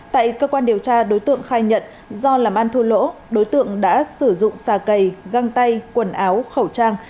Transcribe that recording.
tại cơ quan điều tra đối tượng khai nhận do làm ăn thua lỗ đối tượng đã sử dụng xà cầy găng tay quần áo khẩu trang